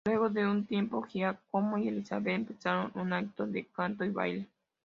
Luego de un tiempo Giacomo y Elizabeth empezaron un acto de canto y baile.